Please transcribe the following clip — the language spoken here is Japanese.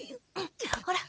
ほら！